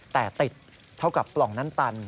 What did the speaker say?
แต่ติดเท่ากับปล่องน้ำตัน